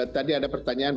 tadi ada pertanyaan